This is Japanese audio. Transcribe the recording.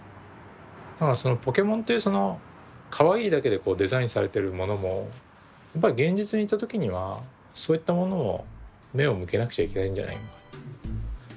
だからポケモンっていうそのかわいいだけでデザインされてるものもやっぱり現実にいた時にはそういったものも目を向けなくちゃいけないんじゃないのか。